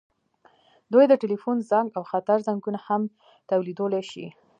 دوی د ټیلیفون زنګ او خطر زنګونه هم تولیدولی شي.